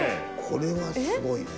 これはすごいね。